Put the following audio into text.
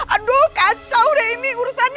aduh kacau deh ini urusannya